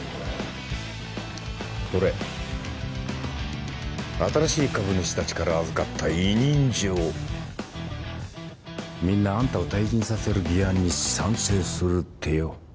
これ新しい株主達から預かった委任状みんなあんたを退陣させる議案に賛成するってよ